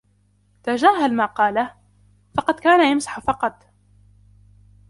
تجاهل ما قاله. مقد كان يمزح فقط.